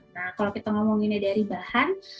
nah kalau kita ngomonginnya dari bahan